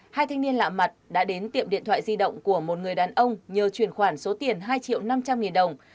hai thanh niên lạ mặt đã đến tiệm điện thoại di động của một người đàn ông nhờ chuyển khoản số tiền hai triệu năm trăm linh nghìn đồng